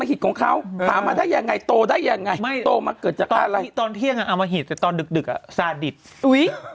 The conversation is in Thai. อุ๊ยนี่นะเข้านาศาดิษฐ์